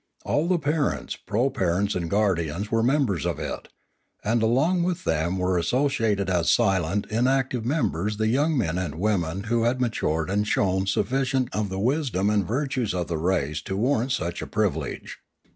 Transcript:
All the parents, proparents, and guar dians were members of it, and along with them were associated as silent, inactive members the young men and women who had matured and had shown sufficient of the wisdom and virtues of the race to warrant such a privilege.